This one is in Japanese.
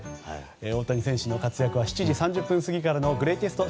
大谷選手の活躍は７時３０分過ぎからのグレイテスト